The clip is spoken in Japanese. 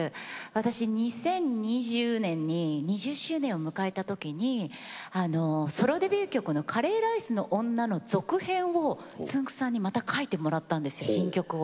私２０２０年に２０周年を迎えた時にソロデビュー曲の「カレーライスの女」の続編をつんく♂さんにまた書いてもらったんですよ新曲を。